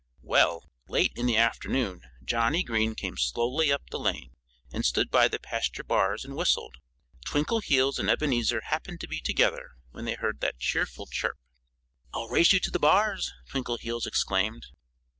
Well, late in the afternoon Johnnie Green came slowly up the lane and stood by the pasture bars and whistled. Twinkleheels and Ebenezer happened to be together when they heard that cheerful chirp. "I'll race you to the bars!" Twinkleheels exclaimed.